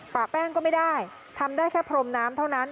แป้งก็ไม่ได้ทำได้แค่พรมน้ำเท่านั้น